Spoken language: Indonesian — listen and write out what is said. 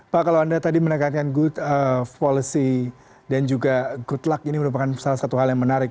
pak kalau anda tadi menekankan good policy dan juga good luck ini merupakan salah satu hal yang menarik